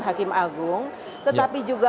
hakim agung tetapi juga